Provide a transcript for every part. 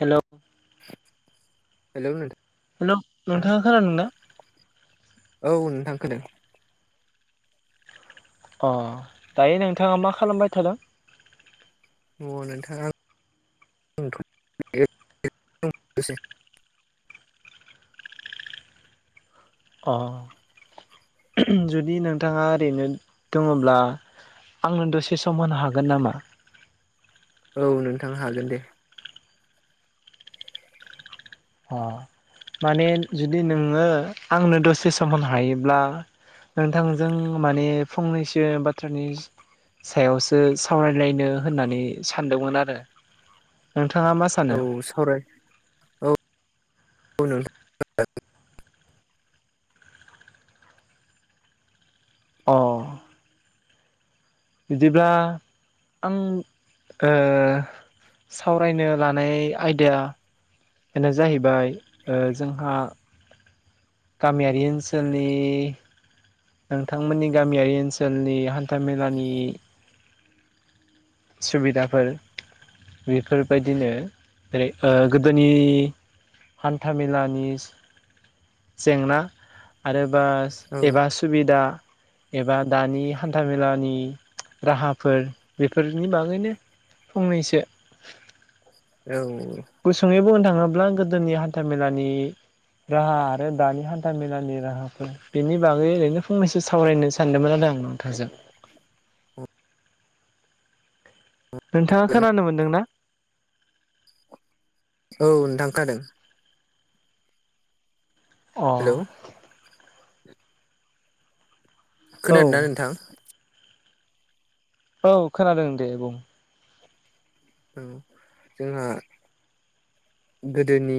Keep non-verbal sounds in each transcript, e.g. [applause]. Hello hello नों hello नोंथाङा खोनादोंना? औ नोंथां खोदो अ, दायो नोंथांङा मा खालामबाय थादों? अ नोंथां आं दसे अ जुदि नोंथाङा ओरैनो दङब्ला आंनो दसे सम होनो हागोन नामा? औ नोंथां हागोन दे ‌। अ माने जुदि नोंङो आंनो दसे सम होनो हायोब्ला- नोंथांजों माने फंनैसो बाथ्रानि सायावसो सावरायलायनो होननानै सानदोंमोन आरो नोंथाङा मा सान औ सावराय औ औ नों अ । बिदिब्ला आं ओ सावरायनो लानाय आयदायानो जाहैबाय ओ जोंहा गामियारि ओनसोलनि नोंथांमोननि गामियारि ओनसोलनि हान्था मेलानि सुबिदाफोर बेफोरबायदिनो जेरै ओ गोदोनि हान्थामेलानि जेंना आरो बा औ एबा सुबिदा एबा दानि हान्थामेलानि राहाफोर फोरनि बागैनो फंनैसो औ । गुसुङै बुंनो थाङोब्ला गोदोनि हान्था मेलानि राहा आरो दानि हान्था मेलानि राहाफोर बेनि बागै ओरैनो फंनैसो सावरायनो सानदोंमोन आरो आं नोंथांजों । नोंथाङा खोनानो मोनदों ना? औ नोंथां खोनादों । अ हेलौ । औ खोनादोंना नोंथां? औ खोनादों दे बुं । औ जोंहा गोदोनि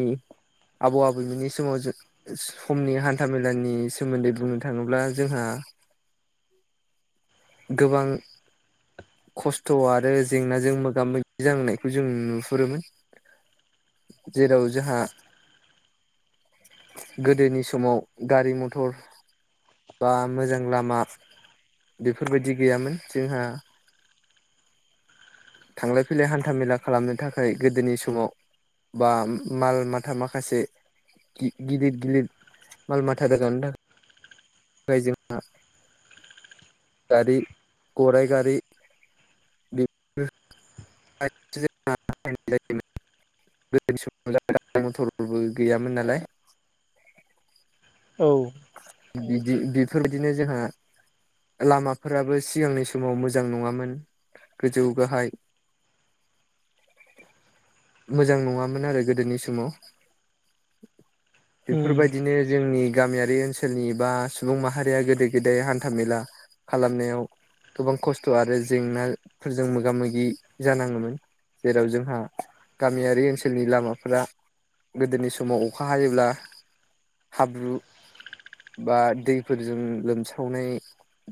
आबौ आबैमोननि समाव जों समनि हान्था मेलानि सोमोन्दै बुंनो थाङोब्ला जोंहा गोबां खस्थ' आरो जेंनाजों मोगा मोगि जांनायखौ जों नुहुरोमोन । जेराव जोंहा गोदोनि समाव गारि मथर बा मोजां लामा बेफोरबायदि गैयामोन जोंहा थांलाय फैलाय हान्था मेला खालामनो थाखाय गोदोनि समाव बा माल माथा माखासे गि-गिदिर गिदिर माल माथा रोगानो थाखाय फ्राय जोंहा गारि गराइ गारि [inaudible] गोदोनि समाव मथरबो गैयामोन नालाय । औ । बिदि बेफोरबायदिनो जोंहा लामाफोराबो सिगांनि समाव मोजां नङामोन गोजौ गाहाय [inaudible] मोजां नङामोन आरो गोदोनि समाव । उम बेफोरबायदिनो जोंनि गामिया बे ओनसोलनि बा सुबुं माहारिया गोदो गोदाय हान्था मेला खालामनायाव गोबां खस्थ' आरो जेंनाफोरजों मोगा मोगि जानाङोमोन । जेराव जोंहा गामियारि ओनसोलनि लामाफोरा गोदोनि समाव अखा हायोब्ला हाब्रु बा दैफोरजों लोमस्रावनाय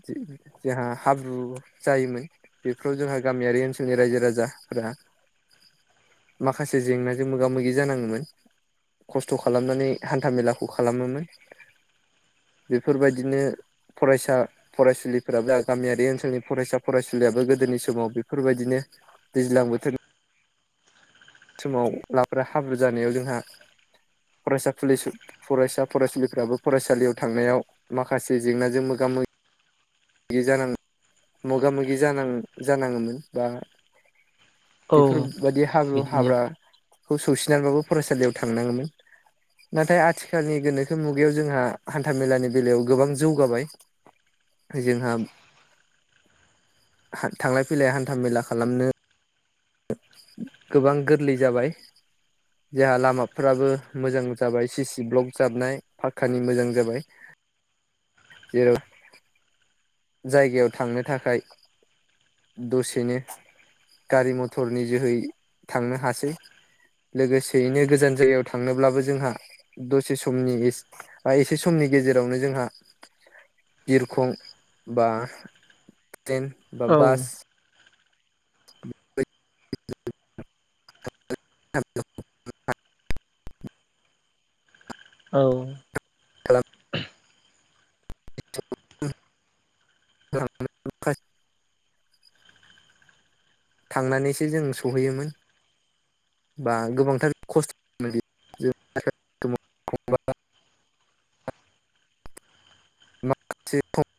जोंहा हाब्रु जायोमोन । बेफोराव जोंहा गामियारि ओनसोलनि रायजो राजाफोरा माखासे जेंनाजों मोगा मोगि जानाङोमोन । खस्थ' खालामनानै हान्था मेलाखौ खालामो मोन । बेफोरबायदिनो फरायसा फरायसुलिफोराबो गामियारि ओनसोलनि फरायसा फरायसुलियाबो गोदोनि समाव बेफोरबायदिनो दैज्लां बोथोर- समाव लाब्रा हाब्रु जानायाव जोंहा फरायसा फरायसुलि- फरायसा फरायसुलिफ्राबो फरायसालियाव थांनायाव माखासे जेंनाजों मोगा मोगि जान मोगा मोगि जानां जानाङोमोन बा- औ बेफोरबायदि हाब्रु, बिदिनो हाब्रा खौव सौसिनानैबाबो फरायसालियाव थांनांङोमोन । नाथाय आथिखालनि गोनोखो मुगायाव जोंहा हान्था मेलानि बेलायाव गोबां जौगाबाय । जोंहा थांलाय फैलाय हान्था मेला खालामनो गोबां गोरलै जाबाय । जोंहा लामाफ्राबो मोजां जाबाय सिसि ब्लक जाबनाय पाखकानि मोजां जाबाय । [inaudible] [inaudible] जेराव जायगायाव थांनो थाखाय- दसेनो, गारि--मथरनि जोहै थांनो हासै । लोगोसेयैनो गोजान जायगायाव थांनोब्लाबो जोंहा, दसे समनि गे- ओ एसे समनि गेजेरावनो जोंहा- बिरखं बा, ट्रेन बा, औ बास- द [inaudible] औ [inaudible] औ! [unintelligible] [inaudible] थांनानैसो जों सहैयोमोन, बा गोबांथार खस्थ' खस्थ' माखासे ख [unintelligible]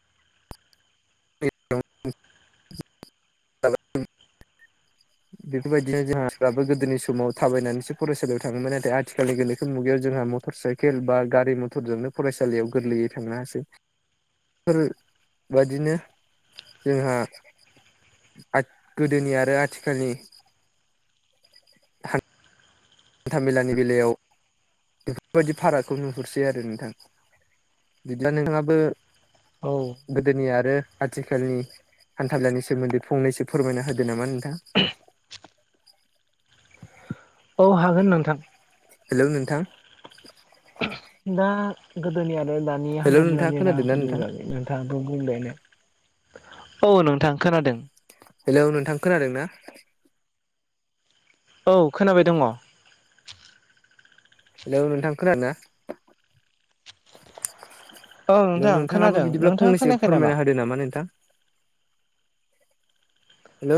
[unintelligible] [inaudible] औ [inaudible] बेफोरबायदिनो जोंहाफ्राबो गोदोनि समाव थाबायनानैसो फरायसालियाव थाङोमोन। आरोआथिखालनि गोनोखो मुगायाव जोंहा म- मटर साइकेल बा, गारि मथरजोंनो फरायसालियाव गोरलैयै थांनो हासै। [inaudible] फोर बायदिनो जोंहा, [unintelligible] गोदोनि आरो आथिखालनि- [unintelligible] [inaudible] हान्था मेलानि बेलायाव बेफोरबायदि फारागखौ नुहरसै आरो नोंथां बिदिब्ला नोंथांहाबो औ- गोदोनि आरो आथिखालनि हान्था मेलानि सोमोन्दै फंनैसो फोरमायना होदो नामा नोंथां? औ हागोन नोंथां। हेलौ नोंथां दा गोदोनि आरो दानि हेलौ नोंथाङा हान्थालानि खोनादोंना राहाफोरनि नोंथां बागै नोंथां बुंलायनो औ नोंथां खोनादों हेलौ नोंथां खोनादों ना? औ खोनाबाय दङ हेलौ नोंथां खोनादों ना? हेलौ नोंथां नोंथाङाबो खोनादों बिदिब्ला नोंथाङा फंनैसो खोनायाखै फोरमायना होदो नामा नोंथां? हेलो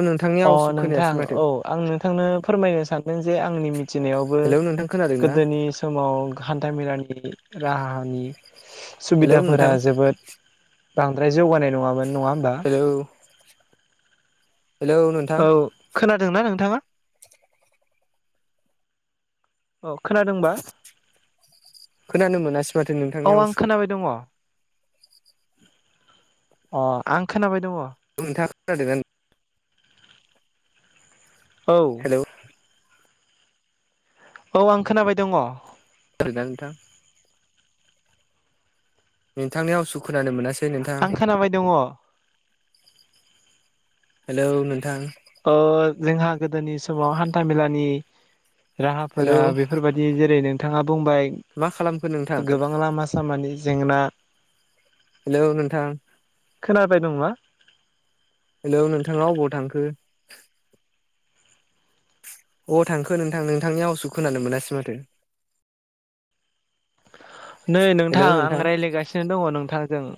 अ नोंथां औ आं नोंथांनो फोरमायनो सानदों जे आंनि मिथिनायावबो, हेलौ नोंथां खोनादों ना गोदोनि समाव हान्था मेलानि राहानि हेलौ सुबिदाफोरा नोंथां जोबोद, बांद्राय जौगानाय नङामोन नङा होमबा? हेलौ हेलौ नों औ खोनादोंना नोंथाङा? अ खोनादोंबा? खोनानो मोनासै माथो औ नोंथांनि आवसखो! [unintelligible] दङ अ आं खोनाबाय दङ। नोंथाङा खोनादोंना औ हेलौ औ आं खोनाबाय दङ। [unintelligible] [inaudible] नोंथांनि आवसखौ खोनानो मोनासै? नोंथां आं खोनाबाय दङ। हेलौ नोंथां? ओ जोंहा गोदोनि समाव हान्था मेलानि राहाफोरा हेलौ बेफोरबायदि दि जेरै नोंथाङा बुंबाय मा खालामखो नोंथां गोबां लामा सामानि जेंना हेलौ नोंथां खोनाबाय दंना? हेलौ नोंथाङा अबाव थांखो? अबाव थांखो नोंथां नोंथांनि आवासखौ खोनानो मोनासै माथो? नै नोंथां आं रायज्लायगासिनो दङ नोंथांजों।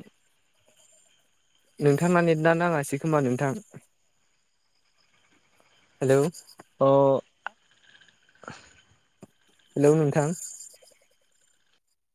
नोंथाङा नेता नाङासै खोमा नोंथां, हेलौ। अ हेलौ नोंथां